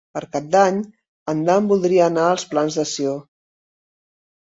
Per Cap d'Any en Dan voldria anar als Plans de Sió.